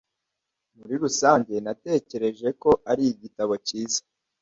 Muri rusange, natekereje ko ari igitabo cyiza.